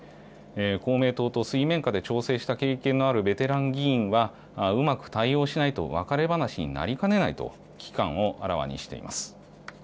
公明党と水面下で調整した経験のあるベテラン議員は、うまく対応しないと別れ話になりかねないと、危機感をあらわにしています。